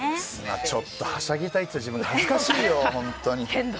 ちょっと、はしゃぎたいって言ってた自分が恥ずかしいよ。